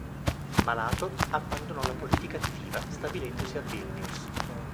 Malato, abbandonò la politica attiva, stabilendosi a Vilnius.